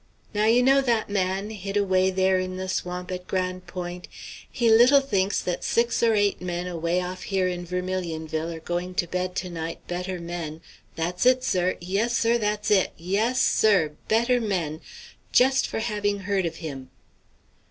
Now, you know, that man, hid away there in the swamp at Grande Pointe, he little thinks that six or eight men away off here in Vermilionville are going to bed to night better men that's it, sir yes, sir, that's it yes, sir! better men just for having heard of him!"